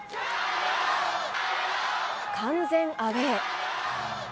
完全アウエー。